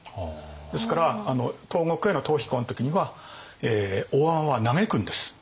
ですから東国への逃避行の時には大海人は嘆くんです。